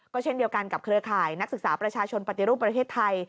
เช่นเดียวกันกับเครือข่ายนักศึกษาประชาชนปฏิรูปประเทศไทย